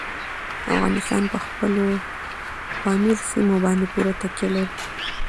افغانستان په خپلو پامیر سیمو باندې پوره تکیه لري.